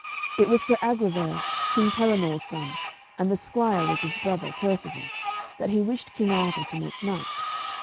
It was Sir Aglovale, King Pellinore's son, and the squire was his brother, Percivale, that he wished King Arthur to make knight.